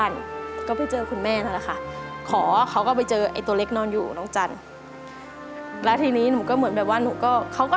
ลูกคลอดแล้วด้วย